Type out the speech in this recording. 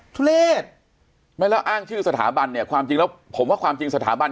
ทุเลศไม่แล้วอ้างชื่อสถาบันเนี่ยความจริงแล้วผมว่าความจริงสถาบัน